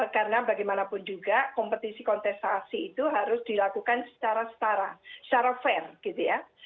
karena bagaimanapun juga kompetisi kontestasi itu harus dilakukan secara setara secara fair gitu ya